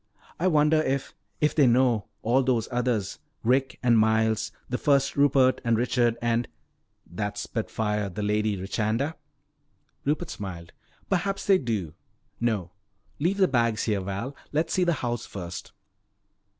I wonder if if they know. All those others. Rick and Miles, the first Rupert and Richard and " "That spitfire, the Lady Richanda?" Rupert smiled. "Perhaps they do. No, leave the bags here, Val. Let's see the house first."